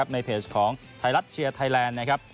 ในเพจของไทยลัดเชียร์ไทยแลนด์